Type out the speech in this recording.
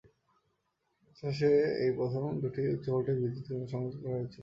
ইতিহাসে এই প্রথম দুটি উচ্চ-ভোল্টেজ বিদ্যুৎ কেন্দ্র সংযুক্ত করা হয়েছিল।